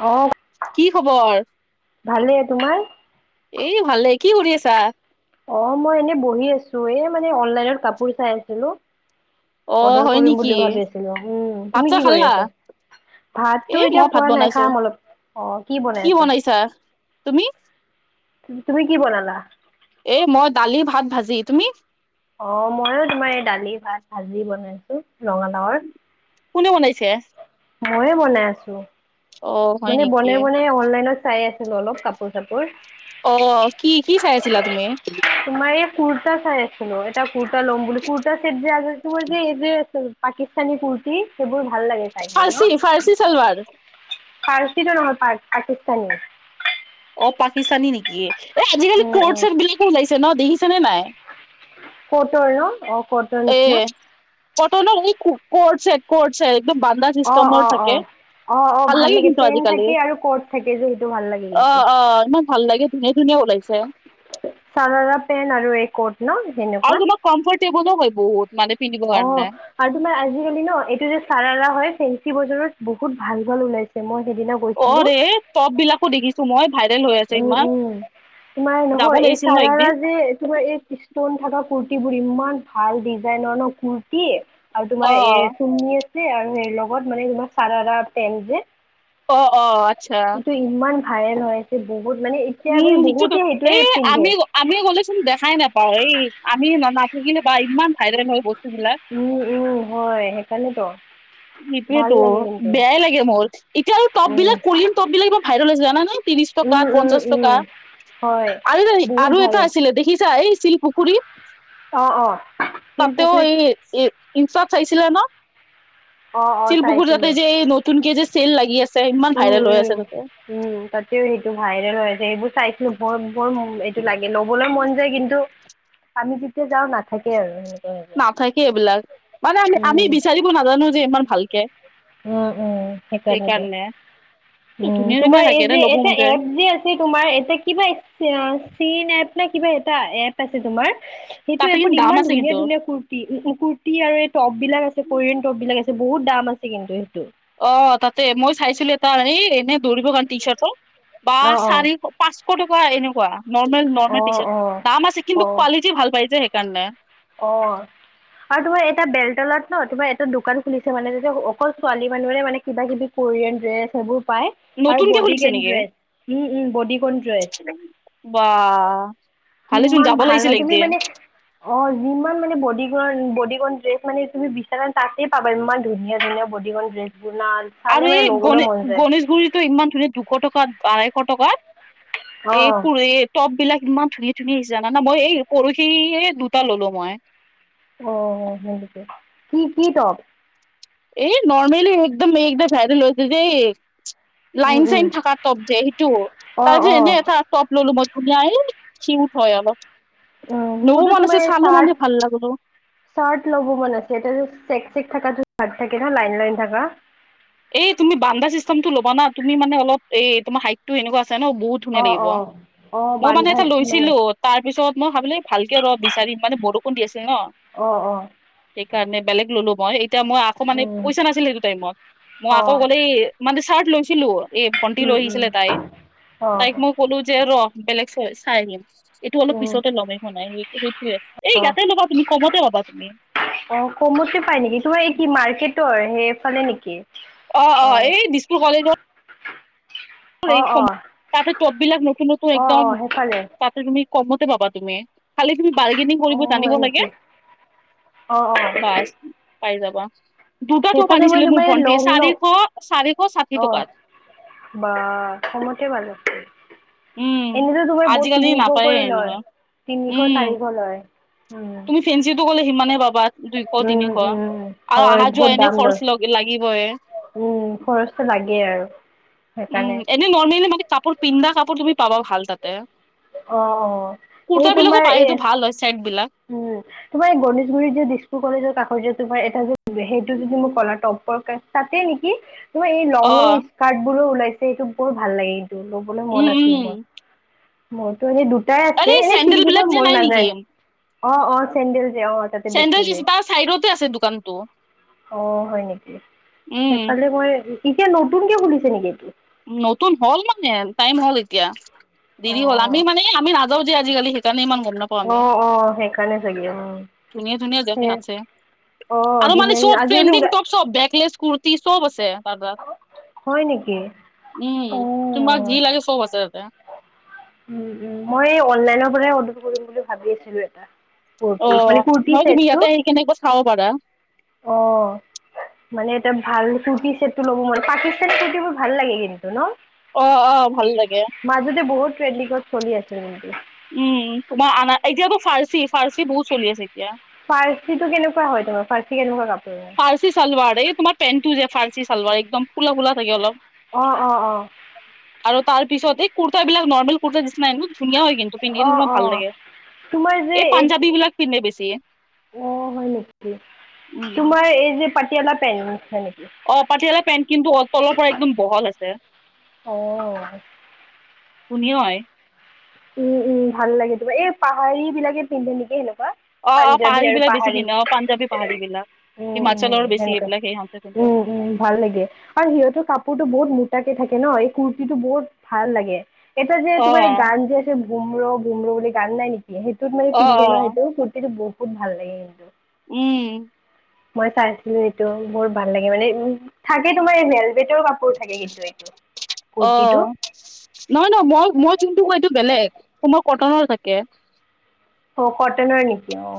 অ কি খবৰ? ভালে তোমাৰ? এই ভালে। কি কৰি আছা? অ মই এনেই বহি আছো এ মানে অনলাইনত কাপোৰ চাই আছিলো। অ অৰ্ডাৰ হয় কৰিম নেকি? বুলি ভাবি আছিলো। উম, ভাত তুমি চাহ কি কৰি খালা? আছা? এ ভাতটো এতিয়া মই ভাত খোৱা নাই বনাইছো। খাম অলপ। অ কি বনাই আছা? তুমি? তুমি কি বনালা? এ মই দালি ভাত ভাজি। তুমি? অ মইও তোমাৰ এই দালি ভাত ভাজি বনাইছো ৰঙালাউৰ। কোনে বনাইছে? মইয়ে বনাই আছো। অ হয় মানে নেকি? বনাই বনাই অনলাইনত চাই আছিলো অলপ কাপোৰ চাপোৰ অ কি কি চাই আছিলা তুমি? তোমাৰ এই কুৰ্তা চাই আছিলো। এটা কুৰ্তা ল'ম বুলি, কুৰ্তা চেট তোমাৰ যে এই যে পাকিস্তানী কুৰ্তি সেইবোৰ ভাল লাগে চাই হে ন? ফাৰচি চলৱাৰ। পাৰ্চিটো নহয় পাক পাকিস্তানী অ পাকিস্তানী নেকি? এ আজিকালি কৰ্ট চেট বিলাকো ওলাইছে ন দেখিছা নে নাই? ক'ত য় অ কত এ কটনৰ এই ক'ৰ্ড ছেত ক'ৰ্ড ছেত একদম বান্দাল অঁ চিষ্টেমৰ অঁ অঁ থাকে। অঁ অঁ ভাল লাগে কিন্তু পেন আজিকালি, থাকে আৰু কট থাকে যে সেইটো ভাল লাগে অ, কিন্তু অ ইমান ভাল লাগে ধুনীয়া ধুনীয়া ওলাইছে ছে। চাৰাৰা পেণ্ট আৰু এই ক'ট ন সেনেকুৱা কম্ফৰ্তেবলো হয় বহুত মানে পিন্ধিব অ। কাৰণে। আৰু তোমাৰ আজিকালি ন এইটো যে চাৰাৰা হয় ফেঞ্চি বজাৰত বহুত ভাল, ভাল ওলাইছে মই সেইদিনা গৈছিলোঁ অৰে টপ বিলাকো দেখিছো মই ভাইৰেল হৈ আছে উম ইমান উম তোমাৰ যাব নহয়, এই লাগিছিল ন চাৰা একদিন। যে তোমাৰ এই কৃ ষ্টোন থকা কুুৰ্তিবোৰ ইমান ভাল ডিজাইনৰ ন কুুৰ্তি এ আৰু অ তোমাৰ এ চুৰনী আছে ছে আৰু এ লগত মানে তোমাৰ চাৰাৰা পেন যে অ অ আটচ্ছা। এইটো ইমান ভাইৰেল হৈ আছে বহুত মানে এতিয়া উম মানে শ বহুতে [unintelligible] সেইটোৱে এই পিন্ধে আমি আমি গ'লেচোন দেখাই নাপাও এই আমি নাথাকিলে বা ইমান ভাইৰেল হয় বস্তু বিলাক উম, উম, হয় সেইকাৰণেতো ভাল সেইটোয়েতো লাগে কিন্তু বেয়াই লাগে মোৰ, এতিয়া আৰু টপ উম বিলাক কোৰিয়ান টপ বিলাক ইমন ভাইৰেল হৈছে জানা নে ত্ৰিশ উম টকাত পঞ্চাশ উম টকা উম হয় আৰু বহুত আৰু ভাল এটা আছিলে দেখিছা এই শিলপু খুৰীত, অ অ তাতেও শিলপুখুৰীত এই ইনষ্টাত চাইছিলা ন অ অ শিলপুখুৰী তাতে চাইছিলোঁ যে নতুনকে যে চেল লাগি আছে ইমান উম, ভাইৰেল হৈ আছে উম। তাতে উম তাতেও সেইটো ভাইৰেল হৈ আছে সেইবোৰ চাইছো বৰ বৰ এইটো লাগে লবলৈ মন যায় কিন্তু আমি যেতিয়া যাওঁ নাথাকে আৰু সেনে নাথাকে এইবিলাক মানে আমি -আমি উম বিচাৰিব নাজানো যে ইমান ভালকে উম, উম, সেইকাৰণ সেইকাৰণে উম, ধুনীয়া ধুনীয়া তোমাৰ এই থাকে দে যে ল'ব এটা মন যায় এপ যে আছে তোমাৰ এতিয়া কিবা চীন এপ নে কিবা এটা এপ আছে তোমাৰ সেইটো তাতে এপত কিন্তু দাম ইমান আছে ধুনীয়া কিন্তু ধুনীয়া কুৰ ৰ্তি কুৰ্তি আৰু এই টপ বিলাক আছে কৰিয়ান টপ বিলাক আছে, বহুত দাম আছে কিন্তু সেইটো অ তাতে মই চাইছিলো এটা এই এনেই দৌৰিব কাৰণে টি চাৰ্ট বা অঁ অঁ চাৰিশ পাঁচশ টকা এনেকুৱা নৰ্মেল নৰ্মেল টি অঁ চাৰ্ট, দাম আছে কিন্তু কোৱালিটি ভাল পাই যে সেইকাৰণে অ। আৰু তোমাৰ এটা বেলতলাত ন তোমাৰ এটা দোকান খুলিছে মানে যেতিয়া অকল ছোৱালী মানুহৰে মানে কিবা কিবি কোৰিয়ান ড্ৰেছ সেইবোৰ পাই আৰু নতুনকে খুলিছে বডিকেন ড্ৰেছ উম উম বডিকন ড্ৰেছ বাহঃ ভালেচোন কিমান যাব ভাল লাগিছিল ভাল তুমি একদিন মানে অ যিমান মানে বডিকণ বডিকণ ড্ৰেছ মানে তুমি বিচাৰা তাতে পাবা ইমান ধুনীয়া-ধুনীয়া বডিকন ড্ৰেছবোৰ লাল আৰু এই গনে গণেশগুৰিত টো ইমান ধুনীয়া দুশ টকাত আঢৈশ টকাত, অ এই কু এ টপ বিলাক ইমান ধুনীয়া ধুনীয়া আহিছে জানানা মই এই পৰহিয়ে দুটা ললো মই অ, হয় নেকি? কি কি টপ? এই নৰ্মেলি একদম এইকেদিনত ভাইৰেল হৈ আছে যে উম লাইন উম চাইন থকা টপ যে সেইটো অ তাৰ অ পিছত এনে এটা টপ ললো মই ধুনীয়া এই কিউত হয় অলপ উম মোৰতো লবমন আছিল তোমাৰ চালো মানে চাৰ্ট ভাল লাগিলও চাৰ্ট ল'ব মন আছে এ চেক চেক থকাত চাৰ্ট থাকে ন লাইন লাইন থকা এই তুমি বান্দা চিষ্টেমটো ল'বা তুমি মানে অলপ এ তোমাৰ হাইট টো এনেকুৱা আছে ন বহুত ধুনীয়া অ', লাগিব, অ', অ', মই মানে বান্ধা এটা মানে লৈছিলোঁ ত', তাৰ পিছত মই ভাবিলোঁ ভালকে ৰ', বিচাৰিম মানে বৰষুণ দি আছিল ন', অঁ', অঁ', সেইকাৰণে বেলেগ ললো মই এতিয়া মই আকৌ মানে উম, পইচা নাছিল সেইটো টাইমত মই আকৌ অ', গ'লে এই মানে চাৰ্ট লৈছিলো এই ভন্টি উম, লৈ উম, আহিছিলে তাই, তাইক অ', মোক ক'লো যে ৰ বেলেগ চ চাই দিম এইটো অলপ উম, পিছতে ল'মেই এখন নাই ৰে সেইটয়ে, এই অ', ইয়াতে লবা তুমি কমতে পাবা তুমি', অ', কমতে পাই নেকি? তোমাৰ এই কি মাৰ্কেটোৰ সেইফালে নেকি? অ', অ', এই দিছপুৰ কলেজৰ', হয়, অ', কম', অ', তাতে টপ বিলাক নতুন নতুন অ', একদম, অ', সেইফালে তাতে তুমি কমতে পাবা তুমি', খালি তুমি বাৰ্গেনিং কৰিব অ', জানিব হয় লাগে নেকি? অ', অ', বাছ', পাই যাবা, দুটা টপ সেইফালে মই আনিছিলে মোৰ তোমাৰ এই ভণ্টিয়ে লং লং চাৰিশ- চাৰিশ ষাঠি অ', টকাত', বা কমতে ভাল চোন', উম এনেকে তোমাৰ বহুত, আজিকালি তিনিশ নাপায়ে কৰি লয়, এনেকুৱা তিনিশ চাৰিশ লয়', ফেনচিটো গ'লে সিমানে পাবা দুইশ উম তিনিশ উম আৰু হয় অহা যোৱা বহুত এনে দাম খৰচ লয়', লাগিবই', উম', খৰচটো লাগেই আৰু উম, সেইকাৰণে', এনে নৰ্মেলি মানে কাপোৰ পিন্ধা কাপোৰ তুমি পাবা ভাল তাতে', অহ', অহ', কুৰ্তা সেই বিলাকো তোমাৰ পায় সেইটো এ', ভাল হয় চেট বিলাক উম', তোমাৰ এই, গণেশগুৰিত যে দিছপুৰ কলেজৰ কাষৰ যে, তোমাৰ এটা যে, সেইটো যদি মোক কলা টপৰ কাৰ', তাতে নেকি? মোৰ এই লং লং অ', স্কাৰ্ট বোৰো ওলাইছে, সেইটো বহুত ভাল লাগে, এইটো ল'বলৈ উম, মন আছিল উম, মোৰ', মোৰতো এনে দুটাই আছে, আৰে এনেই চেণ্ডেল পিন্ধিব বিলাক যে মন নাই নেকি? নাযায়, অ', অ', চেণ্ডেল যে অ', তাতে বেছি চেণ্ডেল যি যে আছে চাইডতে আছে দোকানটো', অ', হয়, নেকি উম, সেইফালে মই, এতিয়া নতুনকে খুলিছে নেকি এইটো', নতুন হ'ল মানে, টাইম হ'ল এতিয়া দেৰি হ'ল আমি অ মানে আমি ৰা', তহঁতি আজি কালি সেইকাৰণে ইমান গম নাপ', আকৌ, আমি অ', অ', সেইকাৰণে চাগে উম, ধুনীয়া ধুনীয়া জগা সেই আছে', অ', আৰু মানে ধুনীয়া চব ধুনীয়া আজিকালি ট্ৰেণ্ডিং ওলাই টপ চব ভেকলেছ কুৰ্তি চব আছে তাত, তাত', হয়, নেকি? অ', উম', তোমাক যি লাগে চব আছে ইয়াতে', উম', উম', মই এই অনলাইনৰ পৰাই অৰ্ডাৰ কৰিম বুলি ভাবি আছিলোঁ এটা', কুৰ্তি অহ', মানে কুৰ্তি হয় তুমি ইয়াতে আহি কেনে একবাৰ চাব পাৰা', অহ', মানে এটা ভাল কুৰ্তি চেটো ল'ব মন, পাকিস্তানী কুৰ্তিবোৰ ভাল লাগে কিন্তু ন', অ', অ', ভাল লাগে', মাজতে বহুত ট্ৰেণ্ডিকত চলি আছিল কিন্তু', উম', তোমাৰ আনা এতিয়াতো ফাৰ্চি ফাৰ্চি বহুত চলি আছে এতিয়া', ফাৰ্চিটো কেনেকুৱা হয় তোমাৰ, ফাৰ্চি কেনেকুৱা কাপোৰ হয়? ফাৰ্চি ছালৱাৰ, এই তোমাৰ পেন্টটো যে ফাৰ্চি ছালৱাৰ একদম ফুলা ফুলা', থাকে অলপ। অ', - অ', - অ', আৰু তাৰ পিছত এই কুৰ্তা বিলাক নৰ্মেল কুৰ্তাৰ নিচিনায়ে হুম', ধুনীয়া হয় কিন্তু অ', পিন্ধিলোঁ অ', মই ভাল অ', লাগে', তোমাৰ যে এই পাঞ্জাবী বিলাক পিন্ধে বেছি', অ', হয় নেকি, উম। তোমাৰ এই যে পাটিয়ালা পেন্ট, হয় নেকি', অ', পাটিয়ালা পেণ্ট কিন্তু অ', তলৰ পৰা একদম বহল আছে', অ'। শুনিয়ো ঔ', উম', উম', ভাল লাগে তোমাৰ, এই পাহাৰী বিলাকে পিন্ধে নেকি সেনেকুৱা? অ', অ', পাঞ্জাবী পাহাৰী আৰু বিলাক বেছি পিন্ধে অ', পঞ্জাৱী পাহাৰীবিলাক', উম', উম', সেনেকৈ, উম', উম', ভাল লাগে। আৰু সিহঁতৰ কাপোৰতো বহুত মোটাকে থাকে ন এই কুৰ্তিটো বহুত, ভাল লাগে। এটা যে তোমাৰ অ'। গান যে আছে বুম্ৰ বুম্ৰ বুলি গান নাই নেকি? সেইটোত মানে অ অ পিন্ধে ন সেইটো, কুৰ্তিটো বহুত ভাল লাগে কিন্তু। উম। মই চাইছিলোঁ এইটো বহুত ভাল লাগে মানে উ', থাকে তোমাৰ এ যে', বেটৰ কাপোৰ থাকে কিন্তু এইটো অ কুৰ্তিটো নহয় নহয় মই মই যোনটো কওঁ এইটো বেলেগ মই কটনৰ থাকে। অ কটনৰ নেকি অ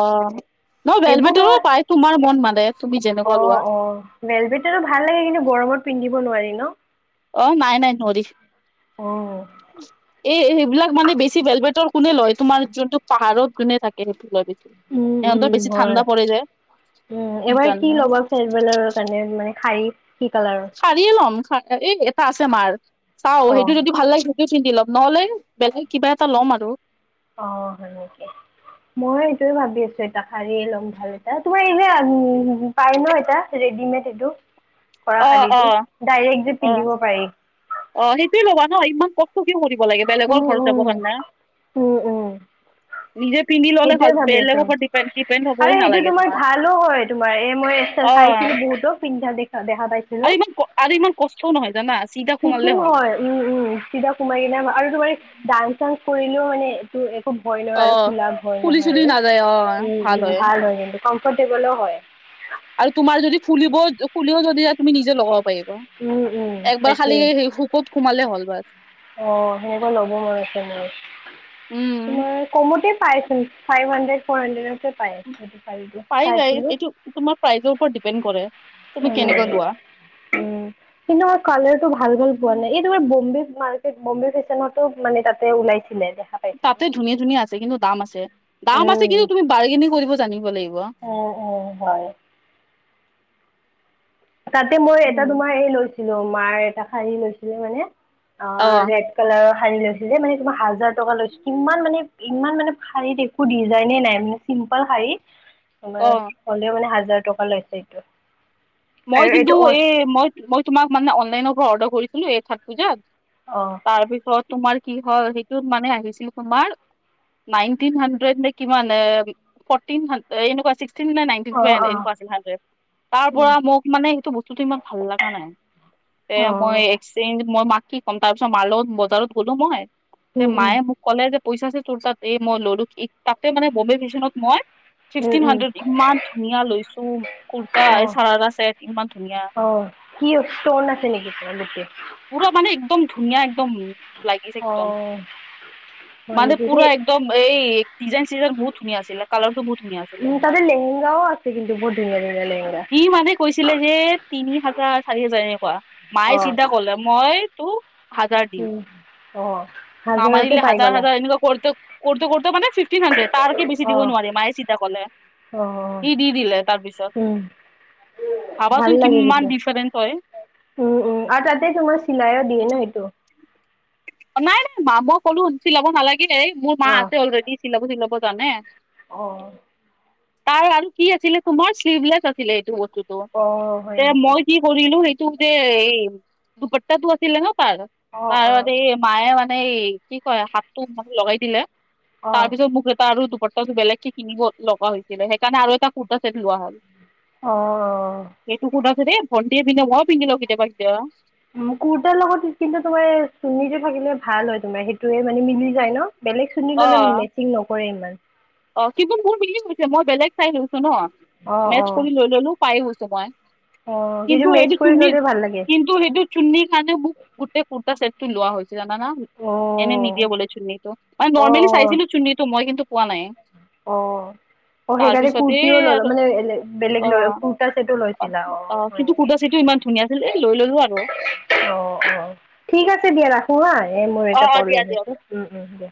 অ ন ভেল সেইবোৰ বেটৰো তোমাৰ পাই তোমাৰ মন মানে তুমি যেনেকুৱা অ', লোৱা। অ', ভেলভেটৰো ভাল লাগে কিন্তু গৰমত পিন্ধিব নোৱাৰি ন? অ নাই নাই নৰি অ'। এই সেইবিলাক মানে বেছি ভেলভেটৰ কোনে লয় তোমাৰ যোনটো পাহাৰত যোনে থাকে সেইটো লয় বেছি উম উম ইহঁতৰ বেছি হয় ঠাণ্ডা পৰে যে উম। এবাৰ কি সেইকাৰণে ল'বা? খেলবেলাৰ কাৰণে মানে শাৰী কি কালাৰৰ? শাৰিয়ে ল'ম এই এটা আছে আমাৰ চাওঁ সেইটো অ'। যদি ভাল লাগে। পিন্ধি ল'ম নহ'লে বেলেগ কিবা এটা ল'ম আৰু। অ হয় নেকি? [inaudible] মই এইটোয়ে ভাবি আছোঁ এটা শাৰীয়ে লম ভাল এটা তোমাৰ এই উ পাই ন এটা ৰেডিমেড এইটো। [inaudible] কৰা অ শাৰীটো ডাইৰেক্ট যে অ পিন্ধিব পাৰি। অ সেইটোয়ে ল'বা ন ইমান কষ্ট কিয় কৰিব লাগে বেলেগৰ উম, ঘৰত যাব কাৰণে। উম। উম, উম, [inaudible] ল'লে ভাল সেইটোয়ে ভাবি বেলেগৰ আছোঁ ওপৰত ডিপেণ্ড ডিপেণ্ড আৰু হ'বই সেইটো নালাগে তোমাৰ ভালো হয় তোমাৰ এই মই ত অ চাইছিলোঁ বহুত পিন্ধা দেখা দেখা পাইছিল। আৰু ইমান আৰু ইমান কষ্টও নহয় জানা। চিধা সোমালে ফিটিং হ'ল হয় উম উম চিধা কুমাৰী আৰু তোমাৰ ডান্স চান্স কৰিলেও মানে। টো একো ভয় নহয় অ আৰু খোলা ভয় ফুলি নহয় চুলি আৰু নাযায় অ উম উম ভাল হয় কিন্তু। কমফৰ্টেবলো হয়। আৰু তোমাৰ যদি ফুলিব খুলিও যদি তুমি নিজে লগাব পাৰিবা। উম উম একবাৰ তাকে খালি শুকুত সোমালে হ'ল বছ। অ সেনেকুৱা ল'ব মন আছে মোৰ উম তোমাৰ কমতে পাইছোন ফাইভ হাড্ৰেড ফ'ৰ হাণ্ড্ৰেডতকে পাই আছোঁ সেইটো পাই যায় পাইছিলোঁ। এইটো তোমাৰ প্ৰাইজৰ ওপৰত ডিপেণ্ড কৰে। তুমি উ। কেনেকুৱা [inaudible] কিন্তু কালাৰ টো ভাল হৈ যোৱা নাই এই তোমাৰ বম্বে মাৰ্কেট বম্বে ফেশ্বনতো মানে তাতে ওলাইছে। চিলে দে তাতে ধুনীয়া ধুনীয়া আছে কিন্তু দাম আছে দাম আছে উম কিন্তু তুমি বাৰ্গেনিং কৰিব জানিব লাগিব। অ অ হয়। তাতে মই এটা উম তোমাৰ এই লৈছিলোঁ মাৰ এটা শাৰী লৈছিলে মানে অ ৰেদ কালাৰৰ শাৰী লৈছিলে মানে তোমাক হাজাৰ টকা লৈছিল ইমান মানে ইমান মানে শাৰীত একো ডিজাইনে নাই মানে। চিম্পল শাৰী। [inaudible] তোমাৰ হ'লেও মানে হাজাৰ টকা লৈছে এইটো। মই আৰু কিন্তু এইটো অ এই মই মই তোমাক মানে অনলাইনৰ পৰা অৰ্ডাৰ কৰিছিলোঁ এই চত পূজাত। অ। তাৰপিছত তোমাৰ কি হয় সেইটোত মানে আহিছিল তোমাৰ নাইনটিন হান্দ্ৰেড নে কিমান এ ফৰ্টি এনেকুৱা চিক্সতিন নে নাইনটিন অ ৰাতিপুৱা আনে অ এনেকুৱা আছিল হেতে। উম পুৰা মোক মানে সেইটো বস্তুতটো ইমান ভাল লগা নাই তে অ মই। চেং মই মাক কি ক'ম তা পিছত মা লগত বজাৰত গ'লো মই, উম উম মায়ে মোক ক'লে যে পইচা তোৰাত এই মই ললো তাতে মানে বম্বে মিশনত মই উম ফিফটিন হাড্ৰেড ইমান ধুনীয়া লৈছো কুৰ্তা উম অ এই চাৰাৰা ছেট ইমান ধুনীয়া। অ কি ষ্টন আছে নেকি তোমালোকে? পুৰা মানে একদম ধুনীয়া একদম। লাগিছে অ। একদম [inaudible] হয় মানে নেকি সেই পুৰা একদম এই ডিজাইন চিজাইন বহুত ধুনীয়া আছিলে কালাৰটো বহুত ধুনীয়া উ আছিলে তাতে তোমাৰ। লেহেংগাও আছে কিন্তু বহুত ধুনীয়া ধুনীয়া লেহেঙগা ই মানে কৈছিলে যে তিনি হাজাৰ চাৰি হাজাৰ এনেকুৱা অ মায়ে চিধা কলে মই তো- হাজাৰ দিম, উম অ হাজাৰতে নমানিল পাই হাজাৰ গ'লা হাজাৰ এনেকুৱা কৰোঁতে কৰোঁতে মানে ফিফ ত্ৰি হাড্ৰেড তাৰকে বেছি অ দিব নোৱাৰি মায়ে চিতা ক'লে, অ সি দি দিলে তাৰপিছত। উম ভাল লাগে কিন্তু। ডিফাৰেন্ঞ্চ হয় উম উম আৰু তাতে তোমাৰ চিলাইও দিয়ে ন সেইটো। নাই নাই মা মই ক'লো চিলাব নালাগে এই মোৰ মা অ আছে অলৰেডি চিলাব চিলাব জানে। অ তাৰ আৰু কি আছিলে তোমাৰ শ্লিভলেছ আছিলে এইটো বস্তুতটো, অ হয় তে নেকি মই কি কৰিলো সেইটো যে এই দুপত্তাটো আছিলে ন পাৰ অ অ পাৰত এ মায়ে মানে এই কি কয় হাতটো মানে লগাই দিলে অ তাৰ পিছত মোক ত আৰু দুপাৰটা বেলেগকে কিনিব লগা হৈছিলে সেইকাৰণে আৰু এটা কুৰ্তা চেট লোৱা হ'ল। অ অ এইটো কুৰ্টা ছেটে ভণ্টে বিন্ধে মই পিন্ধি লও কেতিয়াবা কেতিয়াবা উ কুৰ্তাৰ লগত কিন্তু তোমাৰ চুনিটো থাকিলে ভাল হয় তোমাৰ সেইটোয়ে মানে মিলি যায় ন বেলেগ চুনি অ ললে মেচিং নকৰে ইমান অ কিবোৰ মোৰ মিলি গৈছে মই বেলেগ চাই লৈছো ন, অ', মেচ অ', কৰি লৈ ললো পায় হৈছে মই। অ কিন্তু সটো মেচ এইটো কৰি চুৰ্ণি ললে ভাল লাগে। কিন্তু সেইটো চুনিৰ খানে মোক গোট কুৰ্ত ছেটটো লোৱা হৈছে জানা। অ এনে নিদিয়ে বোলে চুন্নীটো মানে অ', নৰ্মেলি অ', চাইছিলো চুনিতটো মই কিন্তু পোৱা নাই। অ অ সেইকাৰণে তাৰপিছত কুুৰ্তিও এই লল আৰু মানে বেলেগ লৈ অ', কুুৰ্তা চছেটো লৈছিলা অ। অ হয় কিন্তু নেকি? কুৰ্তা চিটো ইমান ধুনীয়া আছিলে এ লৈ ললো আৰু। অ অ ঠিক আছে দিয়া ৰাখো হা এ মোৰ এটা অ', অ', কল দিয়া আহি দিয়ক। আছে উম উম দিয়া।